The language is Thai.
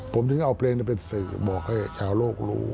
ผมถึงเอาเพลงนี้เป็นสื่อบอกให้ชาวโลกรู้